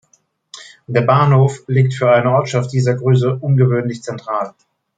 Der Bahnhof liegt für eine Ortschaft dieser Größe ungewöhnlich zentral.